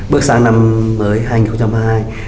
bước sang năm mới hai nghìn hai mươi hai